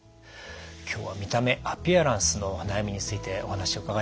今日は「見た目『アピアランス』の悩み」についてお話を伺いました。